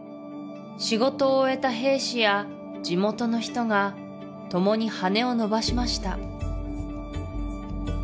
仕事を終えた兵士や地元の人がともに羽を伸ばしました